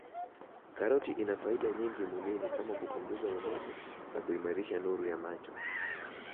Karoti ina faida nyingi mwilini kama kupunguza unene na kuimarisha nuru ya macho